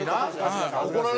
はい。